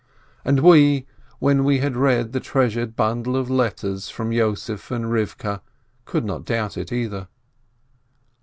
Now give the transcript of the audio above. And we, when we had read the treasured bundle of letters from Yossef and Rivkeh, we could not doubt it, either.